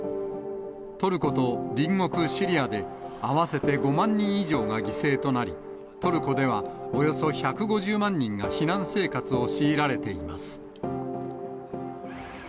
トルコと隣国シリアで合わせて５万人以上が犠牲となり、トルコではおよそ１５０万人が避難生活を強いられています。